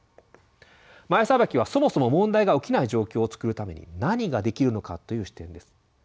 前さばきは「そもそも問題が起きない状況」を作るために何ができるのかという視点です。